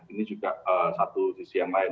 ini juga satu sisi yang lain